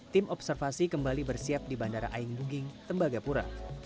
tim observasi kembali bersiap di bandara aing buging tembagapura